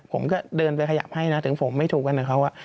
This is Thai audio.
ผมก็เดินไปขยับให้นะถึงผมไม่ถูกกันกับเขา